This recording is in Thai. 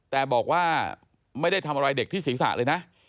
แต่บอกว่าไม่ได้ทำอะไรเด็กที่ศีรษะเลยนะ